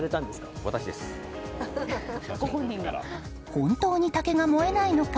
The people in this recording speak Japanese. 本当に竹は燃えないのか。